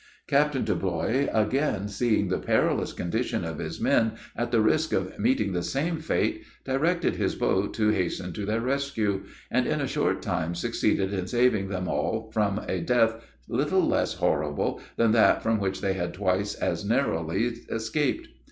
Captain Deblois, again seeing the perilous condition of his men, at the risk of meeting the same fate, directed his boat to hasten to their rescue, and in a short time succeeded in saving them all from a death little less horrible than that from which they had twice as narrowly escaped.